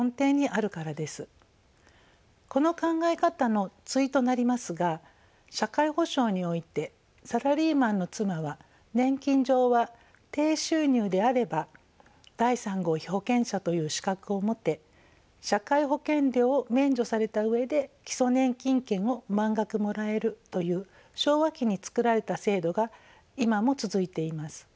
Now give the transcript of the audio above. この考え方の対となりますが社会保障においてサラリーマンの妻は年金上は低収入であれば第３号被保険者という資格を持て社会保険料を免除された上で基礎年金権を満額もらえるという昭和期につくられた制度が今も続いています。